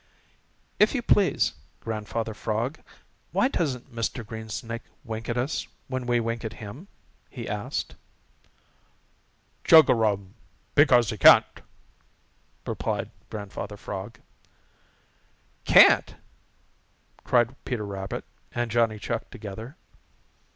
"If you please, Grandfather Frog, why doesn't Mr. Greensnake wink at us when we wink at him?" he asked. "Chug a rum! Because he can't," replied Grandfather Frog. "Can't!" cried Peter Rabbit and Johnny Chuck together.